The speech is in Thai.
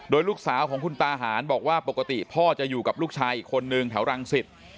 โดยลูกสาวของคุณตาหารบอกว่าปกติพ่อจะอยู่กับลูกชายอีกคนนึงแถวรังสิต